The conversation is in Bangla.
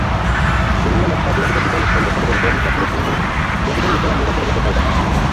বিভিন্ন নকশায় বিভাজিত চিকন স্তম্ভসমূহের উপর মিহরাবগুলির খিলানসমূহ মসজিদের নিচতলার মিহরাবগুলির মতো পলকাটা।